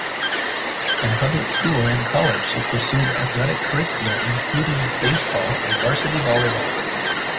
In public school and college she pursued athletic curricula including baseball and varsity volleyball.